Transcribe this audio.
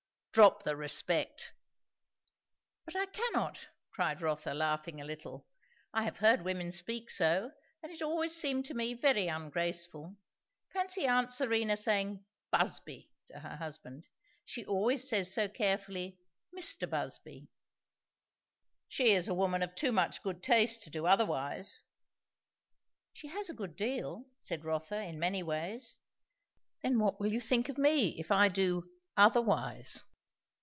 "Drop the respect." "But I cannot!" cried Rotha, laughing a little. "I have heard women speak so, and it always seemed to me very ungraceful. Fancy aunt Serena saying 'Busby' to her husband! She always says so carefully 'Mr. Busby' " "She is a woman of too much good taste to do otherwise." "She has a good deal," said Rotha, "in many ways. Then what will you think of me, if I do 'otherwise'?"